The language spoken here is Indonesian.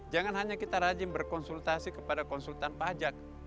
jangan hanya kita rajin berkonsultasi kepada konsultan pajak